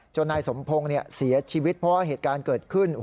นายสมพงศ์เสียชีวิตเพราะว่าเหตุการณ์เกิดขึ้น